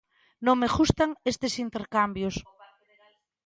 Non me gustan estes intercambios.